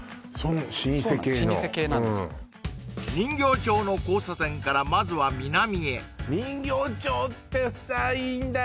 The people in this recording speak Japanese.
老舗系の老舗系なんです人形町の交差点からまずは南へ人形町ってさいいんだよね